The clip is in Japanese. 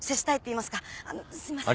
あのすいません。